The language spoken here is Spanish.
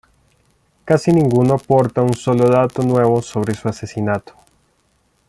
Casi ninguno aporta un solo dato nuevo sobre su asesinato.